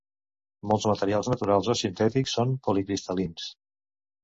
Molts materials, naturals o sintètics, són policristal·lins.